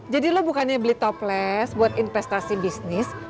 jadi lo bukannya beli toples buat investasi bisnis